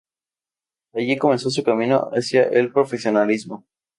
Allí comenzó su camino hacia el profesionalismo.